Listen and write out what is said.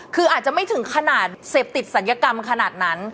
คืออาจจะไม่ถึงขนาดเสพติดศัลยกรรมขนาดนั้น